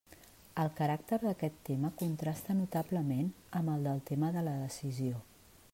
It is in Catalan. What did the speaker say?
El caràcter d'aquest tema contrasta notablement amb el del tema de la decisió.